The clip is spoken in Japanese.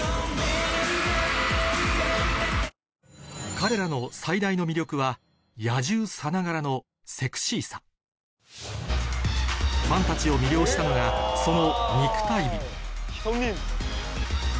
彼らの最大の魅力は野獣さながらのセクシーさファンたちを魅了したのがその